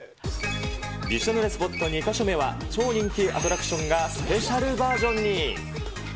びしょぬれスポット２か所目は超人気アトラクションがスペシャルバージョンに。